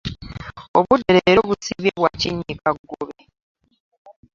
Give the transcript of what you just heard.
Obudde leero busiibye bwa kinnyikaggobe.